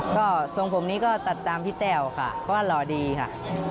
ก็ทรงผมนี้ก็ตัดตามพี่แต้วค่ะเพราะว่าหล่อดีค่ะ